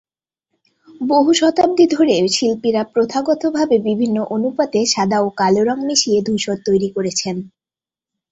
বহু শতাব্দী ধরে, শিল্পীরা প্রথাগতভাবে বিভিন্ন অনুপাতে সাদা ও কালো রং মিশিয়ে ধূসর তৈরি করেছেন।